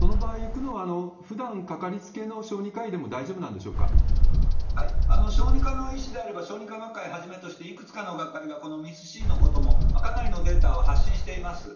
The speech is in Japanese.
その場合、行くのはふだん掛かりつけの小児科医でも大丈夫な小児科の医師であれば、小児科学会をはじめとして、いくつかの学会がこのＭＩＳ−Ｃのことも、かなりのデータは発信しています。